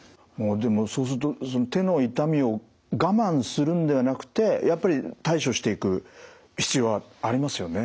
でもそうすると手の痛みを我慢するんではなくてやっぱり対処していく必要はありますよね。